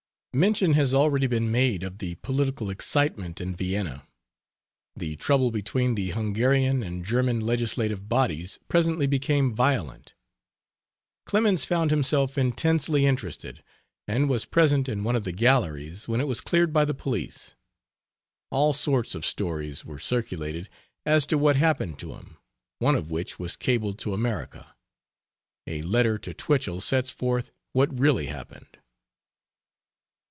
Mention has already been made of the political excitement in Vienna. The trouble between the Hungarian and German legislative bodies presently became violent. Clemens found himself intensely interested, and was present in one of the galleries when it was cleared by the police. All sorts of stories were circulated as to what happened to him, one of which was cabled to America. A letter to Twichell sets forth what really happened.